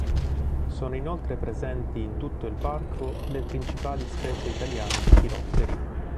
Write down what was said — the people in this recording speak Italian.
Sono inoltre presenti in tutto il Parco le principali specie italiane di chirotteri.